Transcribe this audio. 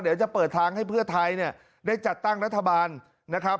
เดี๋ยวจะเปิดทางให้เพื่อไทยเนี่ยได้จัดตั้งรัฐบาลนะครับ